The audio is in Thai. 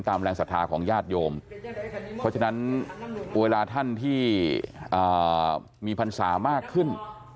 แรงศรัทธาของญาติโยมเพราะฉะนั้นเวลาท่านที่มีพรรษามากขึ้น